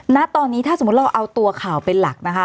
ณตอนนี้ถ้าสมมุติเราเอาตัวข่าวเป็นหลักนะคะ